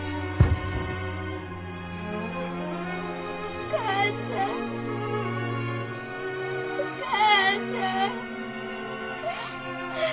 お母ちゃんお母ちゃん。